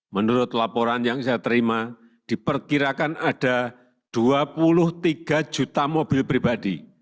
menurut laporan yang saya terima diperkirakan ada dua puluh tiga juta mobil pribadi